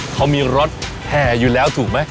เขามีรถแห่อยู่แล้วถูกไหม